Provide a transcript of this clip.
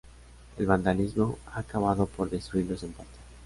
El vandalismo, ha acabado por destruirlos en parte.